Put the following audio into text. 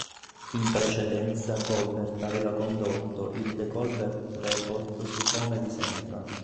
In precedenza Colbert aveva condotto il "The Colbert Report" su Comedy Central.